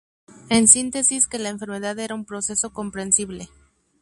En síntesis que la enfermedad era un proceso comprensible".